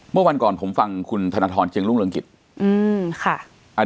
เมื่อวันก่อนผมฟังคุณธนทรเจรุ่งเรืองกิจ